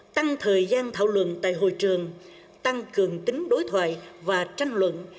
tăng thời gian thảo luận tại hội trường tăng cường tính đối thoại và tranh luận